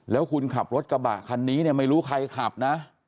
แล้วคุณขับรถกระบะคันนี้เนี่ยไม่รู้ใครขับนะ